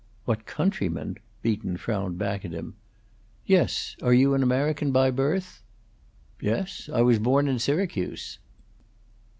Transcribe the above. "What countryman?" Beaton frowned back at him. "Yes, are you an American by birth?" "Yes; I was born in Syracuse."